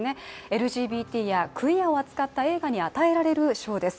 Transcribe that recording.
ＬＧＢＴやクィアを扱った映画に与えられる賞です。